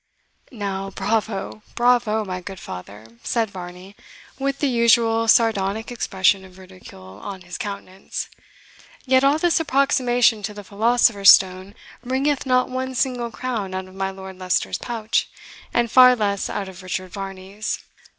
"Now, bravo! bravo! my good father," said Varney, with the usual sardonic expression of ridicule on his countenance; "yet all this approximation to the philosopher's stone wringeth not one single crown out of my Lord Leicester's pouch, and far less out of Richard Varney's.